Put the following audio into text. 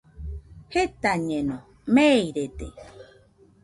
Jetañeno, meirede.